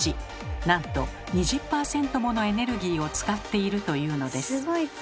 なんと２０％ものエネルギーを使っているというのです。